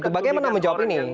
bagaimana menjawab ini